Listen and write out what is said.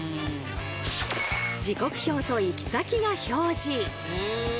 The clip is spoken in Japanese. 時刻表と行き先が表示。